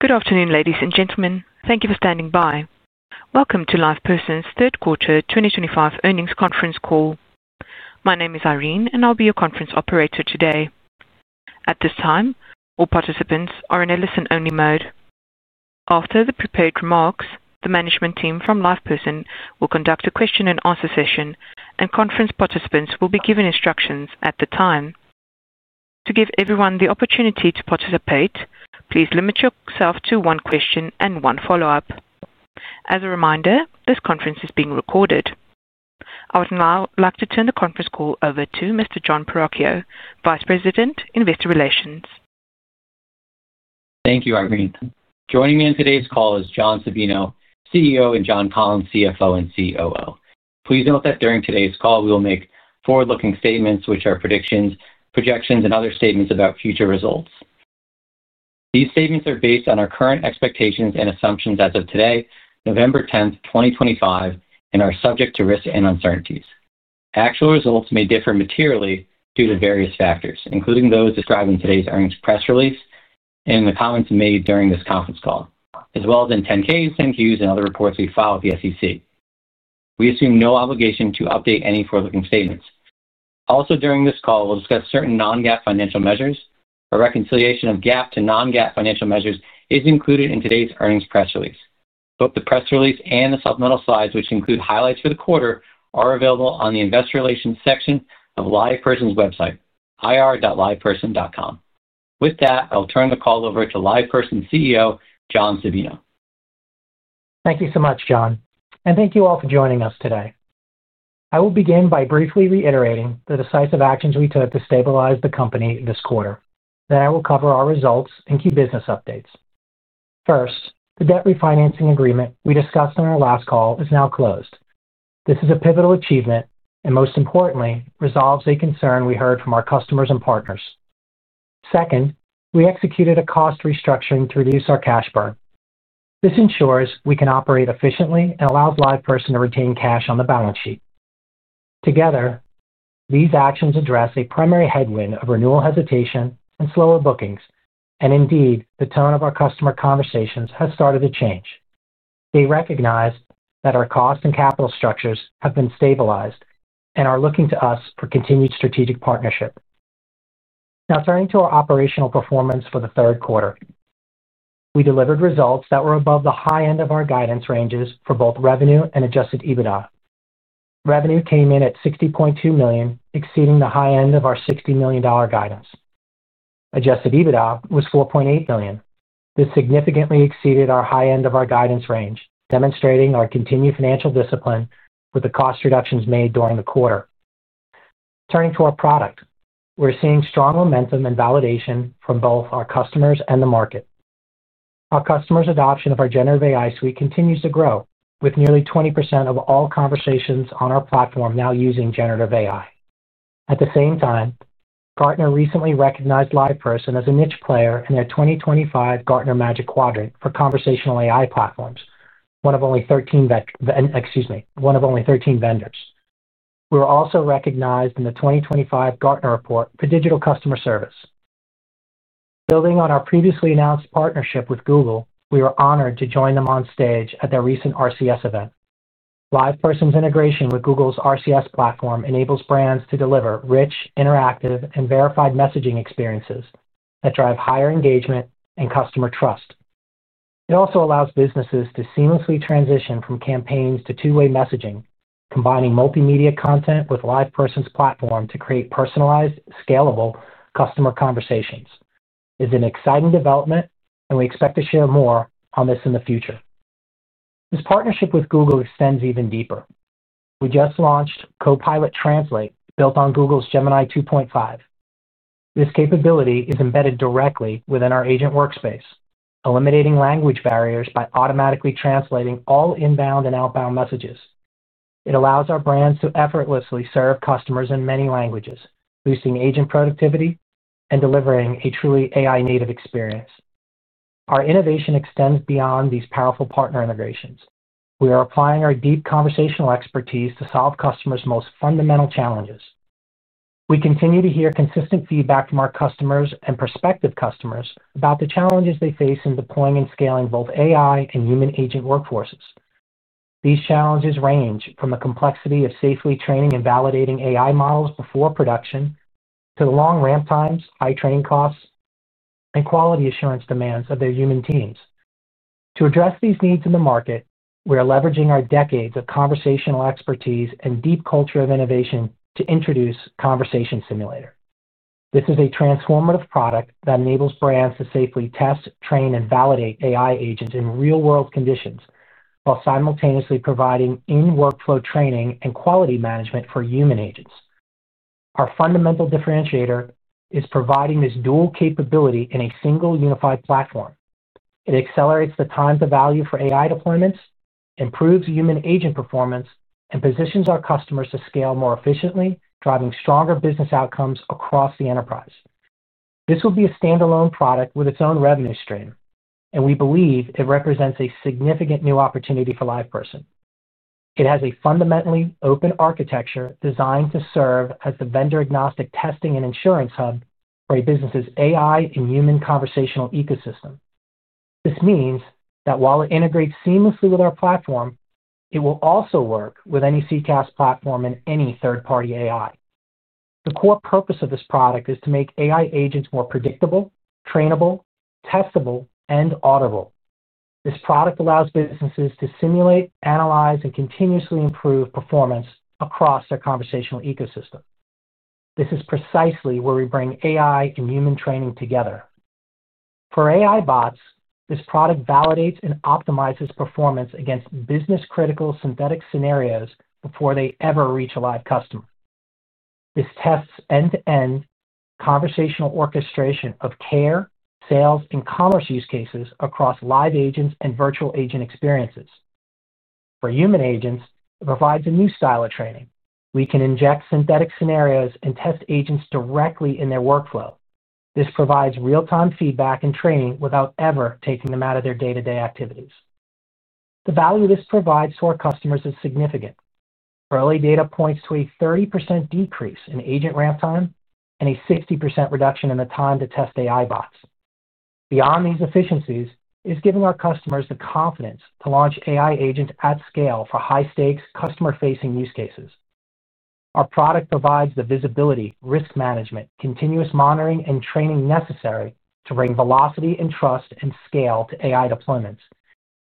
Good afternoon, ladies and gentlemen. Thank you for standing by. Welcome to LivePerson's third quarter 2025 earnings conference call. My name is Irene, and I'll be your conference operator today. At this time, all participants are in a listen-only mode. After the prepared remarks, the management team from LivePerson will conduct a question-and-answer session, and conference participants will be given instructions at the time. To give everyone the opportunity to participate, please limit yourself to one question and one follow-up. As a reminder, this conference is being recorded. I would now like to turn the conference call over to Mr. Jon Perachio, Vice President, Investor Relations. Thank you, Irene. Joining me on today's call is John Sabino, CEO, and John Collins, CFO and COO. Please note that during today's call, we will make forward-looking statements, which are predictions, projections, and other statements about future results. These statements are based on our current expectations and assumptions as of today, November 10th, 2025, and are subject to risks and uncertainties. Actual results may differ materially due to various factors, including those described in today's earnings press release and the comments made during this conference call, as well as in 10-Ks, 10-Qs, and other reports we file with the SEC. We assume no obligation to update any forward-looking statements. Also, during this call, we'll discuss certain non-GAAP financial measures. A reconciliation of GAAP to non-GAAP financial measures is included in today's earnings press release. Both the press release and the supplemental slides, which include highlights for the quarter, are available on the investor relations section of LivePerson's website, ir.liveperson.com. With that, I'll turn the call over to LivePerson CEO, John Sabino. Thank you so much, Jon, and thank you all for joining us today. I will begin by briefly reiterating the decisive actions we took to stabilize the company this quarter. Then I will cover our results and key business updates. First, the debt refinancing agreement we discussed on our last call is now closed. This is a pivotal achievement and, most importantly, resolves a concern we heard from our customers and partners. Second, we executed a cost restructuring to reduce our cash burn. This ensures we can operate efficiently and allows LivePerson to retain cash on the balance sheet. Together, these actions address a primary headwind of renewal hesitation and slower bookings, and indeed, the tone of our customer conversations has started to change. They recognize that our cost and capital structures have been stabilized and are looking to us for continued strategic partnership. Now, turning to our operational performance for the third quarter, we delivered results that were above the high end of our guidance ranges for both revenue and adjusted EBITDA. Revenue came in at $60.2 million, exceeding the high end of our $60 million guidance. Adjusted EBITDA was $4.8 million. This significantly exceeded our high end of our guidance range, demonstrating our continued financial discipline with the cost reductions made during the quarter. Turning to our product, we're seeing strong momentum and validation from both our customers and the market. Our customers' adoption of our generative AI suite continues to grow, with nearly 20% of all conversations on our platform now using generative AI. At the same time, Gartner recently recognized LivePerson as a niche player in their 2025 Gartner Magic Quadrant for conversational AI platforms, one of only 13—excuse me—one of only 13 vendors. We were also recognized in the 2025 Gartner Report for digital customer service. Building on our previously announced partnership with Google, we were honored to join them on stage at their recent RCS event. LivePerson's integration with Google's RCS platform enables brands to deliver rich, interactive, and verified messaging experiences that drive higher engagement and customer trust. It also allows businesses to seamlessly transition from campaigns to two-way messaging, combining multimedia content with LivePerson's platform to create personalized, scalable customer conversations. It is an exciting development, and we expect to share more on this in the future. This partnership with Google extends even deeper. We just launched Copilot Translate, built on Google's Gemini 2.5. This capability is embedded directly within our agent workspace, eliminating language barriers by automatically translating all inbound and outbound messages. It allows our brands to effortlessly serve customers in many languages, boosting agent productivity and delivering a truly AI-native experience. Our innovation extends beyond these powerful partner integrations. We are applying our deep conversational expertise to solve customers' most fundamental challenges. We continue to hear consistent feedback from our customers and prospective customers about the challenges they face in deploying and scaling both AI and human agent workforces. These challenges range from the complexity of safely training and validating AI models before production to the long ramp times, high training costs, and quality assurance demands of their human teams. To address these needs in the market, we are leveraging our decades of conversational expertise and deep culture of innovation to introduce Conversation Simulator. This is a transformative product that enables brands to safely test, train, and validate AI agents in real-world conditions while simultaneously providing in-workflow training and quality management for human agents. Our fundamental differentiator is providing this dual capability in a single unified platform. It accelerates the time to value for AI deployments, improves human agent performance, and positions our customers to scale more efficiently, driving stronger business outcomes across the enterprise. This will be a standalone product with its own revenue stream, and we believe it represents a significant new opportunity for LivePerson. It has a fundamentally open architecture designed to serve as the vendor-agnostic testing and insurance hub for a business's AI and human conversational ecosystem. This means that while it integrates seamlessly with our platform, it will also work with any CCaaS platform and any third-party AI. The core purpose of this product is to make AI agents more predictable, trainable, testable, and audible. This product allows businesses to simulate, analyze, and continuously improve performance across their conversational ecosystem. This is precisely where we bring AI and human training together. For AI bots, this product validates and optimizes performance against business-critical synthetic scenarios before they ever reach a live customer. This tests end-to-end conversational orchestration of care, sales, and commerce use cases across live agents and virtual agent experiences. For human agents, it provides a new style of training. We can inject synthetic scenarios and test agents directly in their workflow. This provides real-time feedback and training without ever taking them out of their day-to-day activities. The value this provides to our customers is significant. Early data points to a 30% decrease in agent ramp time and a 60% reduction in the time to test AI bots. Beyond these efficiencies, it is giving our customers the confidence to launch AI agents at scale for high-stakes, customer-facing use cases. Our product provides the visibility, risk management, continuous monitoring, and training necessary to bring velocity and trust and scale to AI deployments.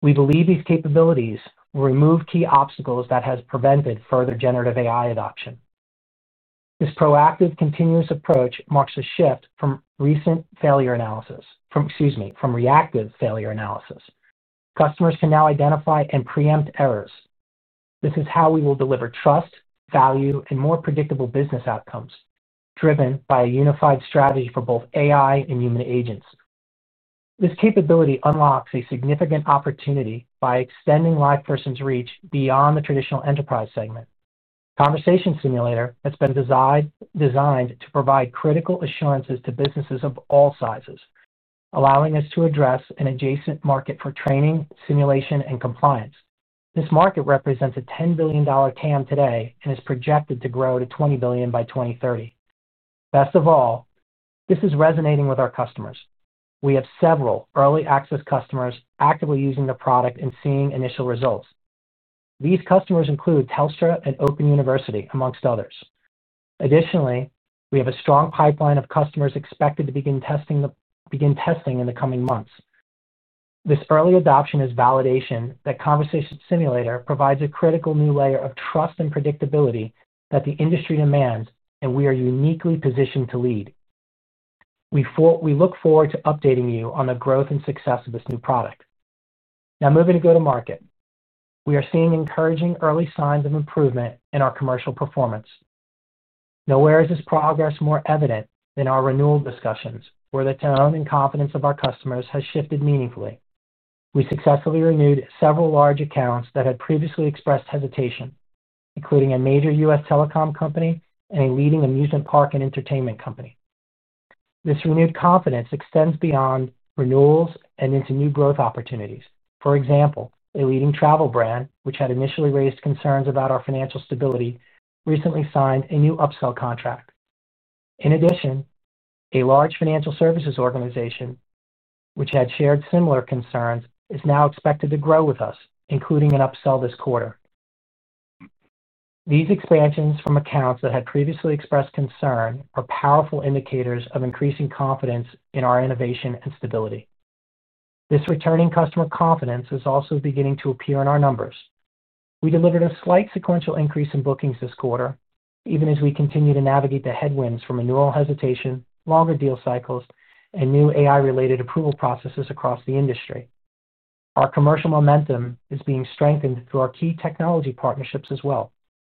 We believe these capabilities will remove key obstacles that have prevented further generative AI adoption. This proactive, continuous approach marks a shift from reactive failure analysis. Customers can now identify and preempt errors. This is how we will deliver trust, value, and more predictable business outcomes, driven by a unified strategy for both AI and human agents. This capability unlocks a significant opportunity by extending LivePerson's reach beyond the traditional enterprise segment. Conversation Simulator has been designed to provide critical assurances to businesses of all sizes, allowing us to address an adjacent market for training, simulation, and compliance. This market represents a $10 billion CAM today and is projected to grow to $20 billion by 2030. Best of all, this is resonating with our customers. We have several early access customers actively using the product and seeing initial results. These customers include Telstra and Open University, amongst others. Additionally, we have a strong pipeline of customers expected to begin testing in the coming months. This early adoption is validation that Conversation Simulator provides a critical new layer of trust and predictability that the industry demands, and we are uniquely positioned to lead. We look forward to updating you on the growth and success of this new product. Now, moving to go-to-market, we are seeing encouraging early signs of improvement in our commercial performance. Nowhere is this progress more evident than our renewal discussions, where the tone and confidence of our customers has shifted meaningfully. We successfully renewed several large accounts that had previously expressed hesitation, including a major U.S. telecom company and a leading amusement park and entertainment company. This renewed confidence extends beyond renewals and into new growth opportunities. For example, a leading travel brand, which had initially raised concerns about our financial stability, recently signed a new upsell contract. In addition, a large financial services organization, which had shared similar concerns, is now expected to grow with us, including an upsell this quarter. These expansions from accounts that had previously expressed concern are powerful indicators of increasing confidence in our innovation and stability. This returning customer confidence is also beginning to appear in our numbers. We delivered a slight sequential increase in bookings this quarter, even as we continue to navigate the headwinds from renewal hesitation, longer deal cycles, and new AI-related approval processes across the industry. Our commercial momentum is being strengthened through our key technology partnerships as well.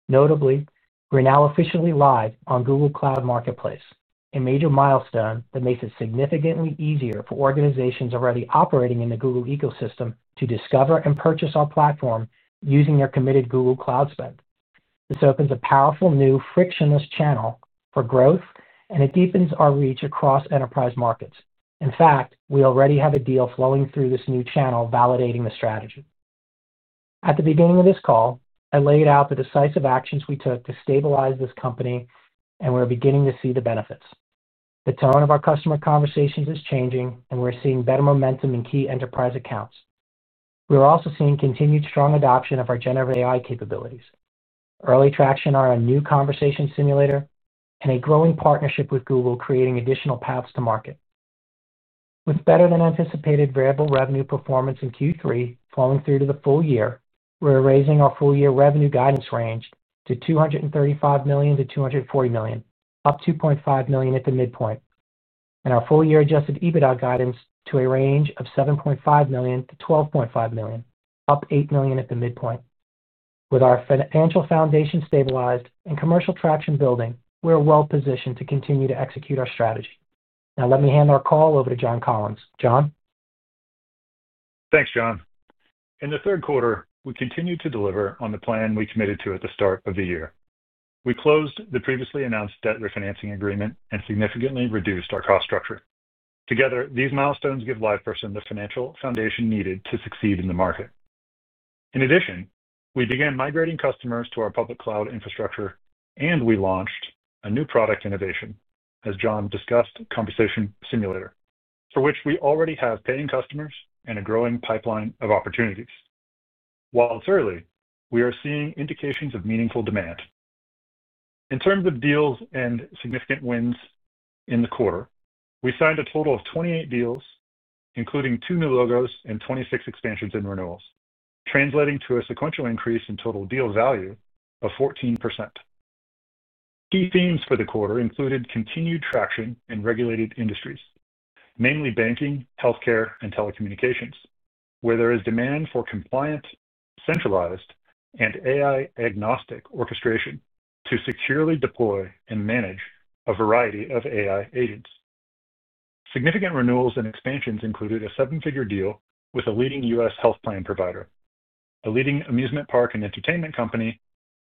Notably, we're now officially live on Google Cloud Marketplace, a major milestone that makes it significantly easier for organizations already operating in the Google ecosystem to discover and purchase our platform using their committed Google Cloud spend. This opens a powerful new frictionless channel for growth, and it deepens our reach across enterprise markets. In fact, we already have a deal flowing through this new channel validating the strategy. At the beginning of this call, I laid out the decisive actions we took to stabilize this company, and we're beginning to see the benefits. The tone of our customer conversations is changing, and we're seeing better momentum in key enterprise accounts. We're also seeing continued strong adoption of our generative AI capabilities. Early traction on our new Conversation Simulator and a growing partnership with Google creating additional paths to market. With better-than-anticipated variable revenue performance in Q3 falling through to the full year, we're raising our full-year revenue guidance range to $235 million-$240 million, up $2.5 million at the midpoint, and our full-year adjusted EBITDA guidance to a range of $7.5 million-$12.5 million, up $8 million at the midpoint. With our financial foundation stabilized and commercial traction building, we're well-positioned to continue to execute our strategy. Now, let me hand our call over to John Collins. John? Thanks, John. In the third quarter, we continued to deliver on the plan we committed to at the start of the year. We closed the previously announced debt refinancing agreement and significantly reduced our cost structure. Together, these milestones give LivePerson the financial foundation needed to succeed in the market. In addition, we began migrating customers to our public cloud infrastructure, and we launched a new product innovation, as John discussed, Conversation Simulator, for which we already have paying customers and a growing pipeline of opportunities. While it's early, we are seeing indications of meaningful demand. In terms of deals and significant wins in the quarter, we signed a total of 28 deals, including two new logos and 26 expansions and renewals, translating to a sequential increase in total deal value of 14%. Key themes for the quarter included continued traction in regulated industries, namely banking, healthcare, and telecommunications, where there is demand for compliant, centralized, and AI-agnostic orchestration to securely deploy and manage a variety of AI agents. Significant renewals and expansions included a seven-figure deal with a leading U.S. health plan provider, a leading amusement park and entertainment company,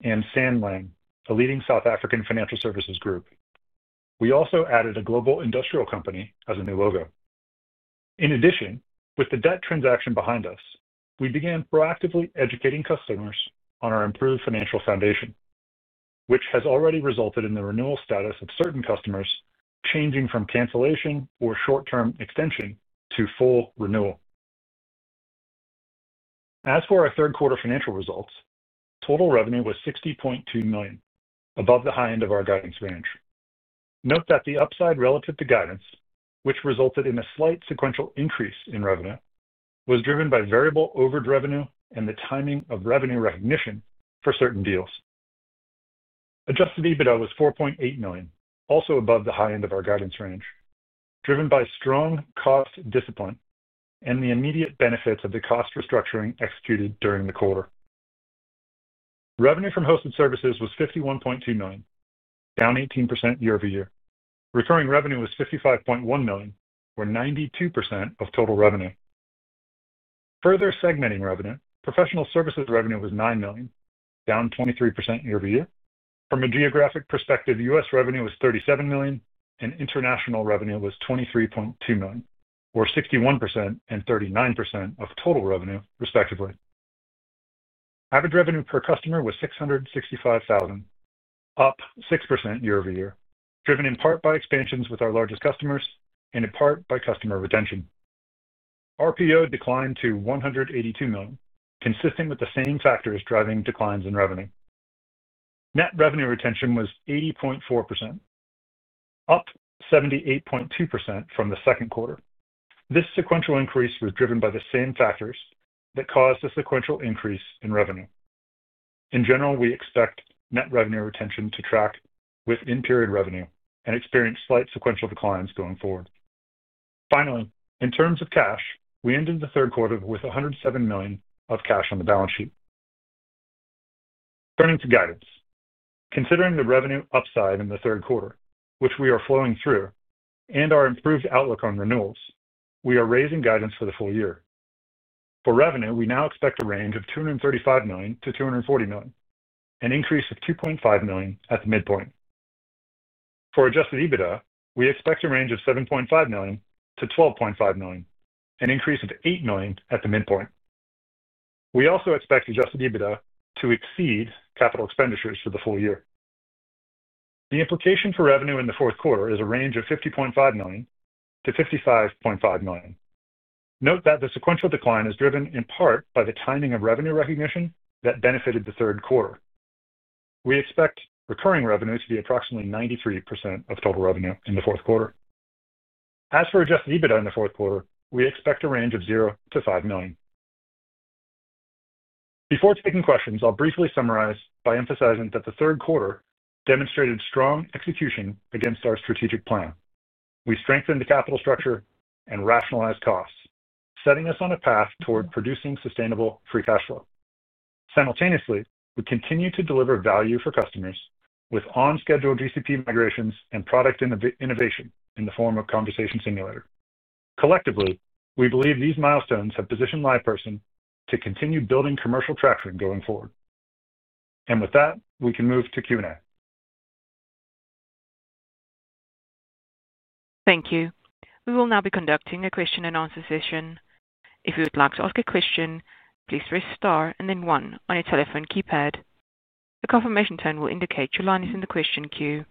and Sanlam, a leading South African financial services group. We also added a global industrial company as a new logo. In addition, with the debt transaction behind us, we began proactively educating customers on our improved financial foundation, which has already resulted in the renewal status of certain customers changing from cancellation or short-term extension to full renewal. As for our third-quarter financial results, total revenue was $60.2 million, above the high end of our guidance range. Note that the upside relative to guidance, which resulted in a slight sequential increase in revenue, was driven by variable over revenue and the timing of revenue recognition for certain deals. Adjusted EBITDA was $4.8 million, also above the high end of our guidance range, driven by strong cost discipline and the immediate benefits of the cost restructuring executed during the quarter. Revenue from hosted services was $51.2 million, down 18% year-over-year. Recurring revenue was $55.1 million, or 92% of total revenue. Further segmenting revenue, professional services revenue was $9 million, down 23% year-over-year. From a geographic perspective, U.S. revenue was $37 million, and international revenue was $23.2 million, or 61% and 39% of total revenue, respectively. Average revenue per customer was $665,000, up 6% year-over-year, driven in part by expansions with our largest customers and in part by customer retention. RPO declined to $182 million, consistent with the same factors driving declines in revenue. Net revenue retention was 80.4%, up 78.2% from the second quarter. This sequential increase was driven by the same factors that caused the sequential increase in revenue. In general, we expect net revenue retention to track within period revenue and experience slight sequential declines going forward. Finally, in terms of cash, we ended the third quarter with $107 million of cash on the balance sheet. Turning to guidance, considering the revenue upside in the third quarter, which we are flowing through, and our improved outlook on renewals, we are raising guidance for the full year. For revenue, we now expect a range of $235 million-$240 million, an increase of $2.5 million at the midpoint. For adjusted EBITDA, we expect a range of $7.5 million-$12.5 million, an increase of $8 million at the midpoint. We also expect adjusted EBITDA to exceed capital expenditures for the full year. The implication for revenue in the fourth quarter is a range of $50.5 million-$55.5 million. Note that the sequential decline is driven in part by the timing of revenue recognition that benefited the third quarter. We expect recurring revenue to be approximately 93% of total revenue in the fourth quarter. As for adjusted EBITDA in the fourth quarter, we expect a range of $0-$5 million. Before taking questions, I'll briefly summarize by emphasizing that the third quarter demonstrated strong execution against our strategic plan. We strengthened the capital structure and rationalized costs, setting us on a path toward producing sustainable free cash flow. Simultaneously, we continue to deliver value for customers with on-schedule GCP migrations and product innovation in the form of Conversation Simulator. Collectively, we believe these milestones have positioned LivePerson to continue building commercial traction going forward. With that, we can move to Q&A. Thank you. We will now be conducting a question and answer session. If you would like to ask a question, please press star and then one on your telephone keypad. A confirmation tone will indicate your line is in the question queue.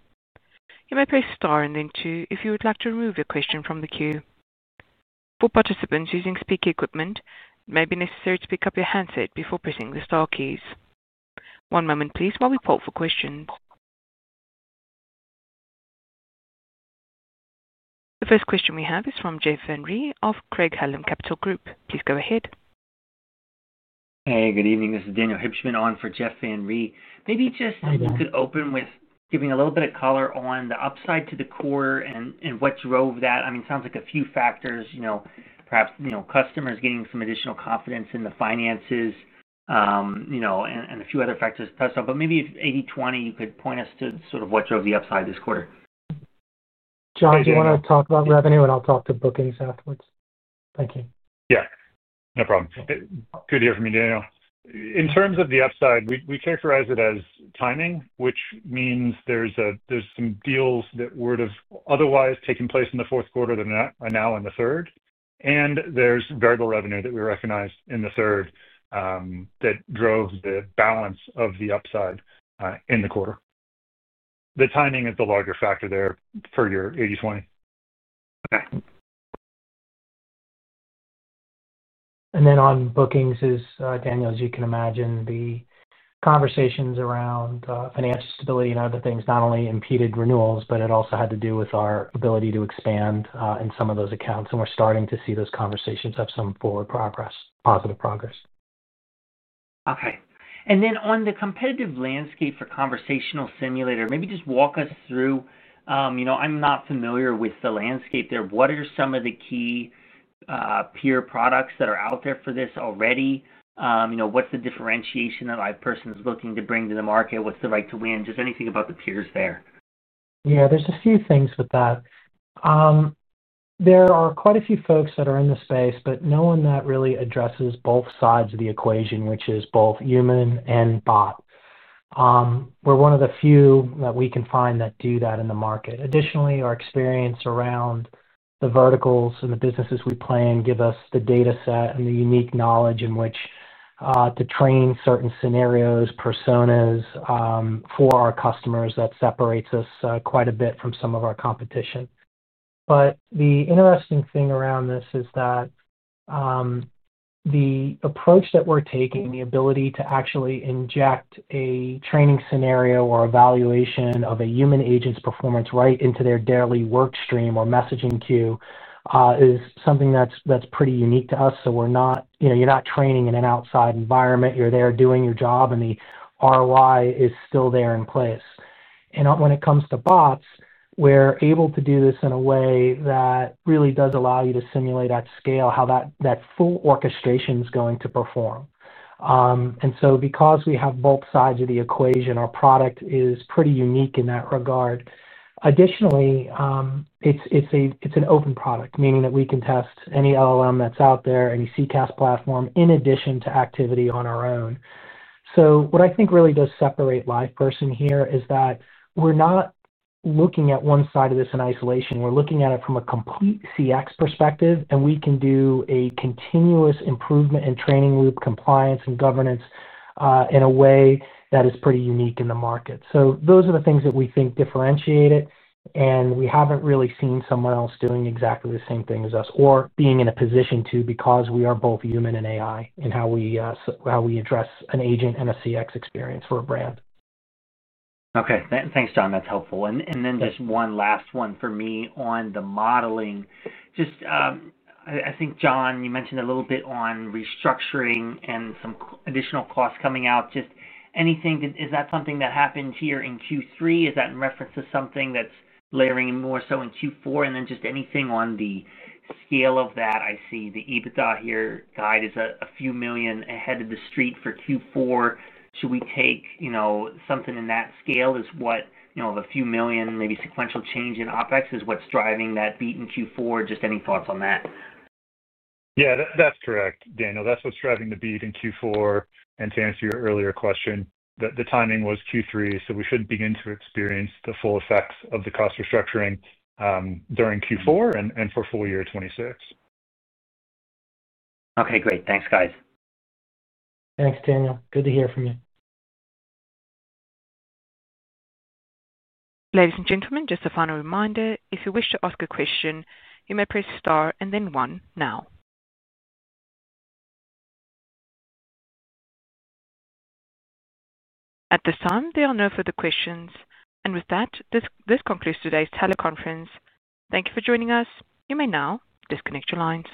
You may press star and then two if you would like to remove your question from the queue. For participants using speaker equipment, it may be necessary to pick up your handset before pressing the star keys. One moment, please, while we poll for questions. The first question we have is from Jeff Van Ree of Craig-Hallum Capital Group. Please go ahead. Hey, good evening. This is Daniel Hibshman on for Jeff Van Ree. Maybe just if you could open with giving a little bit of color on the upside to the quarter and what drove that. I mean, it sounds like a few factors, perhaps customers gaining some additional confidence in the finances and a few other factors plus those. Maybe if 80/20, you could point us to sort of what drove the upside this quarter. John, do you want to talk about revenue, and I'll talk to bookings afterwards? Thank you. Yeah. No problem. Good to hear from you, Daniel. In terms of the upside, we characterize it as timing, which means there's some deals that would have otherwise taken place in the fourth quarter than now in the third. There's variable revenue that we recognized in the third that drove the balance of the upside in the quarter. The timing is the larger factor there for your 80/20. Okay. And then on bookings is, Daniel, as you can imagine, the conversations around financial stability and other things not only impeded renewals, but it also had to do with our ability to expand in some of those accounts. We're starting to see those conversations have some forward progress, positive progress. Okay. On the competitive landscape for Conversation Simulator, maybe just walk us through, "I'm not familiar with the landscape there. What are some of the key peer products that are out there for this already? What's the differentiation that LivePerson is looking to bring to the market? What's the right to win?" Just anything about the peers there. Yeah, there's a few things with that. There are quite a few folks that are in the space, but no one that really addresses both sides of the equation, which is both human and bot. We're one of the few that we can find that do that in the market. Additionally, our experience around the verticals and the businesses we play in give us the dataset and the unique knowledge in which to train certain scenarios, personas for our customers that separates us quite a bit from some of our competition. The interesting thing around this is that the approach that we're taking, the ability to actually inject a training scenario or evaluation of a human agent's performance right into their daily workstream or messaging queue is something that's pretty unique to us. You're not training in an outside environment. You're there doing your job, and the ROI is still there in place. When it comes to bots, we're able to do this in a way that really does allow you to simulate at scale how that full orchestration is going to perform. Because we have both sides of the equation, our product is pretty unique in that regard. Additionally, it's an open product, meaning that we can test any LLM that's out there, any CCaaS platform, in addition to activity on our own. What I think really does separate LivePerson here is that we're not looking at one side of this in isolation. We're looking at it from a complete CX perspective, and we can do a continuous improvement and training loop, compliance and governance in a way that is pretty unique in the market. Those are the things that we think differentiate it, and we haven't really seen someone else doing exactly the same thing as us or being in a position to because we are both human and AI in how we address an agent and a CX experience for a brand. Okay. Thanks, John. That's helpful. Just one last one for me on the modeling. I think, John, you mentioned a little bit on restructuring and some additional costs coming out. Is that something that happened here in Q3? Is that in reference to something that's layering more so in Q4? And then just anything on the scale of that? I see the EBITDA here guide is a few million ahead of the street for Q4. Should we take something in that scale is what of a few million, maybe sequential change in OpEx is what's driving that beat in Q4? Just any thoughts on that? Yeah, that's correct, Daniel. That's what's driving the beat in Q4. To answer your earlier question, the timing was Q3, so we should begin to experience the full effects of the cost restructuring during Q4 and for full year 2026. Okay. Great. Thanks, guys. Thanks, Daniel. Good to hear from you. Ladies and gentlemen, just a final reminder, if you wish to ask a question, you may press Star and then 1 now. At this time, there are no further questions. With that, this concludes today's teleconference. Thank you for joining us. You may now disconnect your lines.